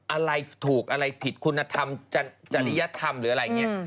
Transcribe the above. อะไรถูกอะไรผิดคุณธรรมจริยธรรมหรืออะไรอย่างนี้